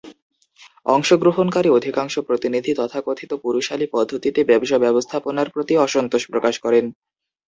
অংশগ্রহণকারী অধিকাংশ প্রতিনিধি তথাকথিত পুরুষালি পদ্ধতিতে ব্যবসা ব্যবস্থাপনার প্রতি অসন্তোষ প্রকাশ করেন।